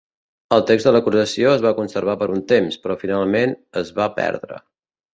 El text de l'acusació es va conservar per un temps, però finalment es va perdre.